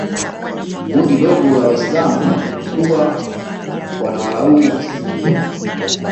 kundi dogo la Waislam waliokuwa wanawalaumu Waislam